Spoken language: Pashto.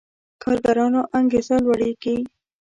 کارګرانو انګېزه لوړېږي.